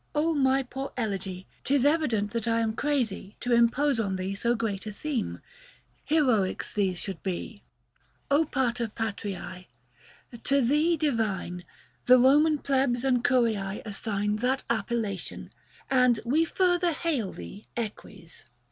my poor elegy ! tis evident That I am crazy to impose on thee 1 20 So great a theme : heroics these should be. Pater Patriae ! to thee divine, The Koman Plebs and Curiae assign That appellation ; and we further hail Thee, Eques.